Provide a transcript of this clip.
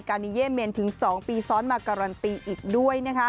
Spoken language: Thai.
แดบว่าอันนี้เย่เมนถึง๒ปีซ้อนมาการันตีอีกด้วย